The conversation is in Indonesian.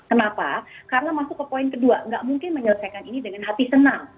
kenapa karena masuk ke poin kedua nggak mungkin menyelesaikan ini dengan hati senang